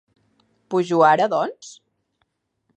Pujo ara, doncs?